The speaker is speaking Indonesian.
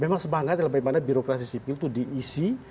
memang semangat dalam birokrasi sipil itu diisi